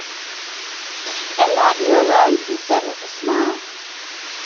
"And not you alone," he said, with a smile.